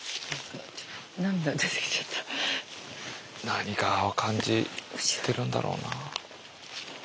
何かを感じてるんだろうな。